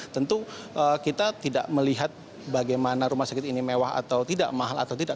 tentu kita tidak melihat bagaimana rumah sakit ini mewah atau tidak mahal atau tidak